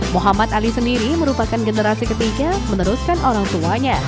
muhammad ali sendiri merupakan generasi ketiga meneruskan orang tuanya